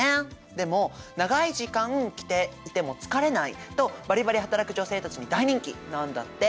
でも長い時間着ていても疲れないとバリバリ働く女性たちに大人気なんだって。